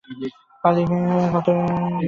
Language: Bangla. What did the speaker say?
কালীকে কতকগুলি বই আনতে হবে।